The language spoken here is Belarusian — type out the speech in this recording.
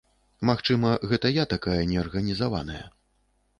Магчыма, гэта я такая неарганізаваная.